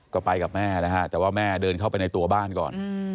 ก็ไปกับแม่นะฮะแต่ว่าแม่เดินเข้าไปในตัวบ้านก่อน